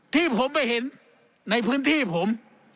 ที่ผมไปเห็นในพื้นที่ผม